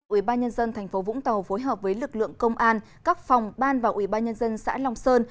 ủy ban nhân dân tp vũng tàu phối hợp với lực lượng công an các phòng ban và ủy ban nhân dân xã long sơn